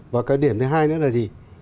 và cái điểm thứ hai nữa là gì